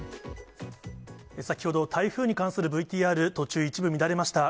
先ほど、台風に関するＶＴＲ、途中、一部乱れました。